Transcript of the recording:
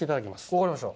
分かりました。